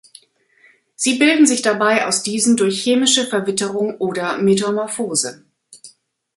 Sie bilden sich dabei aus diesen durch chemische Verwitterung oder Metamorphose.